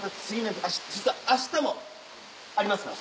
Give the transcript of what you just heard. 実はあしたもありますから。